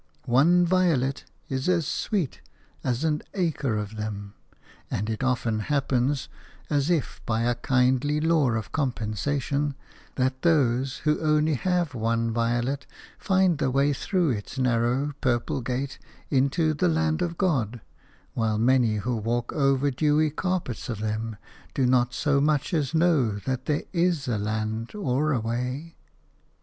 One violet is as sweet as an acre of them. And it often happens – as if by a kindly law of compensation – that those who have only one violet find the way through its narrow, purple gate into the land of God, while many who walk over dewy carpets of them do not so much as know that there is a land or a way.